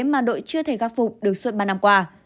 mà đội chưa thể khắc phục được suốt ba năm qua